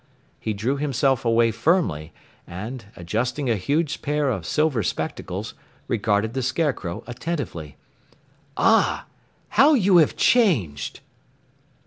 He drew himself away firmly and, adjusting a huge pair of silver spectacles, regarded the Scarecrow attentively. "Ah, how you have changed!"